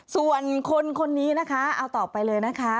ส่วนคนคนนี้นะคะเอาต่อไปเลยนะคะ